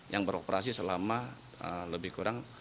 yang beroperasi selama lebih kurang